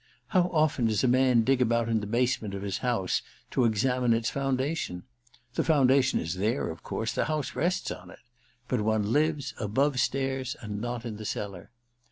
How often does a man dig about the basement of his house to examine its foundation ? The founda tion is there, of course — the house rests on it — but one lives above stairs and not in the cellar.